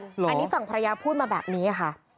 อันนี้ฝั่งภรรยาพูดมาแบบนี้ค่ะ